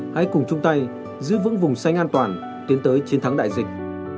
hãy cùng chung tay giữ vững vùng xanh an toàn tiến tới chiến thắng đại dịch